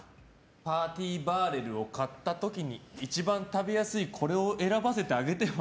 パーティーバーレルを買った時に一番食べやすいこれを選ばせてあげては？